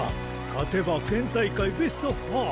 勝てば県大会ベスト４。